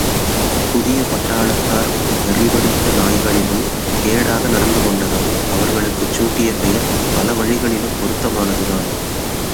புதிய பட்டாளத்தார் வெறிபிடித்த நாய்களிலும் கேடாக நடந்து கொண்டதால், அவர்களுக்கச் சூட்டிய பெயர் பல வழிகளிலும் பொருத்தமானதுதான்!